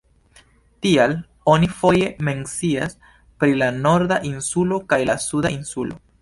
Tial oni foje mencias pri la Norda Insulo kaj la Suda Insulo.